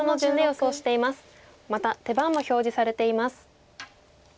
また手番も表示されています。